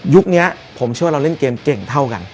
นี้ผมเชื่อว่าเราเล่นเกมเก่งเท่ากัน